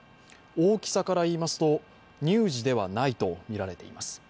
大きさからいいますと、乳児ではないとみられています。